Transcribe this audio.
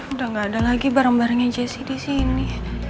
udah gak ada lagi bareng barengnya jessy di sini